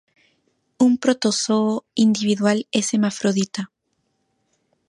Un protozoo individual es hermafrodita.